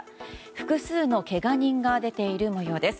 複数のけが人が出ている模様です。